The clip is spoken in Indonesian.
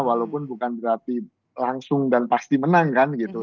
walaupun bukan berarti langsung dan pasti menang kan gitu